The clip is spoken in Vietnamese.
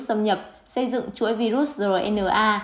xâm nhập xây dựng chuỗi virus r n a